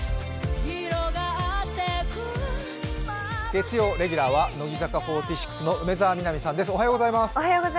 月曜日レギュラーは乃木坂４６の梅澤美波さんです。